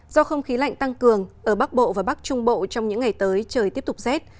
do không khí lạnh tăng cường ở bắc bộ và bắc trung bộ trong những ngày tới trời tiếp tục rét